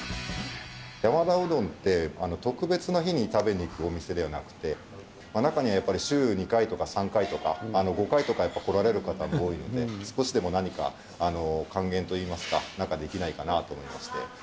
山田うどんって、特別な日に食べに行くお店ではなくて、中にはやっぱり週２回とか３回とか、５回とかやっぱり来られる方も多いので、少しでも何か還元といいますか、なんかできないかなと思いまして。